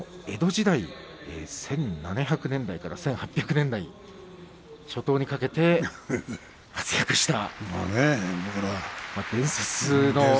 江戸時代１７００年代から１８００年代初頭にかけて活躍した伝説の。